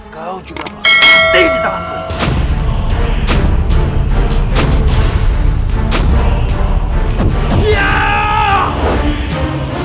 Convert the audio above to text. kau juga harus mati di dalamku